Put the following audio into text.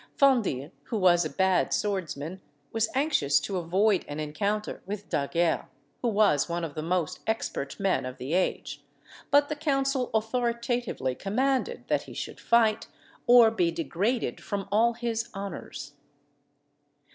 Fendille, who was a bad swordsman, was anxious to avoid an encounter with D'Aguerre, who was one of the most expert men of the age; but the council authoritatively commanded that he should fight, or be degraded from all his honours.